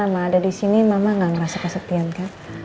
mama ada disini mama gak ngerasa kesetiaan kak